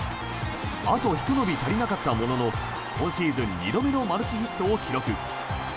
あとひと伸び足りなかったものの今シーズン２度目のマルチヒットを記録。